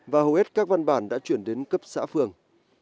và hầu hết các văn bản đã chuyển đến cấp xã phường